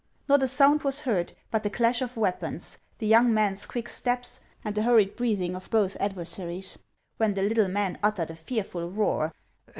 Xot a sound was heard but the clash of weapons, the young man's quick steps, and the hurried breathing of both adversaries, when the little man uttered a fearful roar.